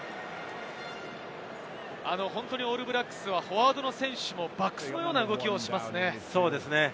オールブラックスはフォワードの選手もバックスのような動きをしますね。